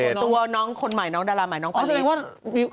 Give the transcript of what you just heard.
ตัวน้องคนใหม่น้องดาราใหม่น้องพระดี